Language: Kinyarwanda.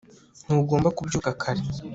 ntugomba kubyuka kare